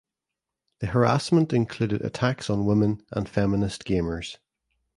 The harassment included attacks on women and feminist gamers.